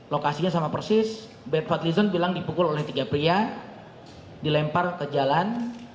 lokasinya sama persis fadlizon bilang dipukul oleh tiga pria dilempar ke jalan